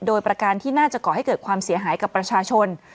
โดยประการที่น่าจะก่อให้เกิดความเสียหายกับประชาชน